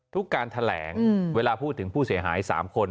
ทุกการแถลงอืมเวลาพูดถึงผู้เสียหายสามคน